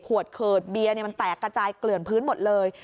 เขิดเบียร์มันแตกกระจายเกลื่อนพื้นหมดเลย